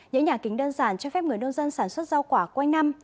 những nhà kính đơn giản cho phép người nông dân sản xuất rau quả quanh năm